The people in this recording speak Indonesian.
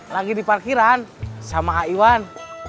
lagi di parkiran sama aiwan